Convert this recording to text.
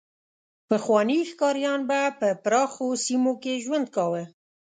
پخواني ښکاریان به په پراخو سیمو کې ژوند کاوه.